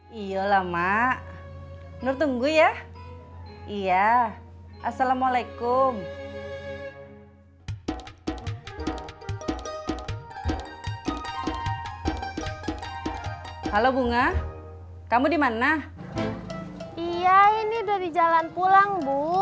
hai iyalah mak nur tunggu ya iya assalamualaikum halo bunga kamu dimana iya ini dari jalan pulang